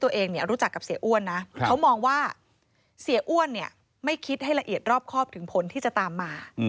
รู้จักกับเสียอ้วนนะเขามองว่าเสียอ้วนไม่คิดให้ละเอียดรอบครอบถึงผลที่จะตามมา